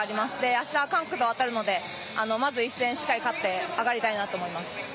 あした、韓国と当たるのでまず一戦、しっかり勝って上がりたいなと思います。